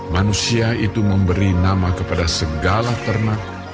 manusia itu memberi nama kepada segala ternak